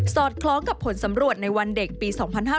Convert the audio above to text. อดคล้องกับผลสำรวจในวันเด็กปี๒๕๕๙